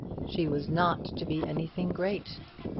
She was not to be anything great.